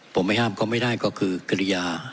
ผมไม่ห้ามก็ไม่ได้ก็คือกริยา